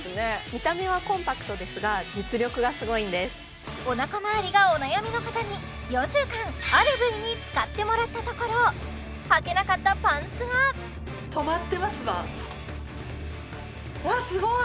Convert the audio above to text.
見た目はコンパクトですが実力がすごいんですおなか回りがお悩みの方に４週間ある部位に使ってもらったところはけなかったパンツがわあすごい！